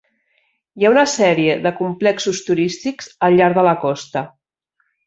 Hi ha una sèrie de complexos turístics al llarg de la costa.